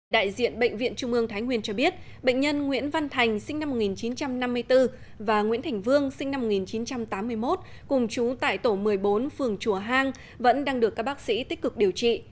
đại diện bệnh viện trung ương thái nguyên cho biết bệnh nhân nguyễn văn thành sinh năm một nghìn chín trăm năm mươi bốn và nguyễn thành vương sinh năm một nghìn chín trăm tám mươi một cùng chú tại tổ một mươi bốn phường chùa hang vẫn đang được các bác sĩ tích cực điều trị